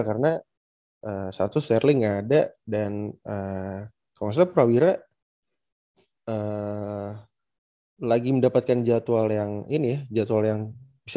karena satu serling ada dan konser prawira lagi mendapatkan jadwal yang ini jadwal yang bisa